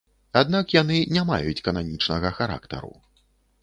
Аднак яны не маюць кананічнага характару.